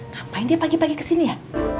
ngapain dia pagi pagi kesini ya